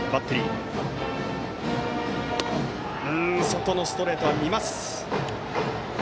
外のストレート、見ます。